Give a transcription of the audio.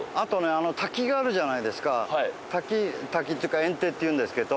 あの滝があるじゃないですかはい滝滝っちゅうかえん堤っていうんですけど